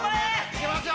いけますよ